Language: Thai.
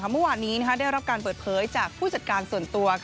เมื่อวานนี้ได้รับการเปิดเผยจากผู้จัดการส่วนตัว